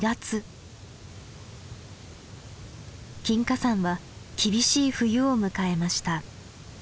金華山は厳しい冬を迎えました。